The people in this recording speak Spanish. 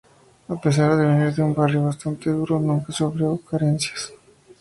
A pesar de venir de un barrio bastante duro, nunca sufrió carencias.